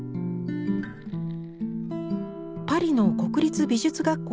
パリの国立美術学校